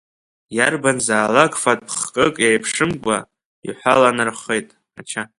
Иарбанзаалак фатә-хкык еиԥшымкәа, иҳәаланархеит ача.